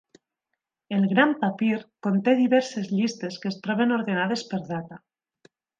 El gran papir conté diverses llistes que es troben ordenades per data.